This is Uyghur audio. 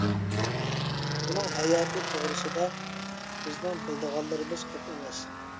ئۇنىڭ ھاياتى توغرىسىدا بىزنىڭ بىلىدىغانلىرىمىز كۆپ ئەمەس.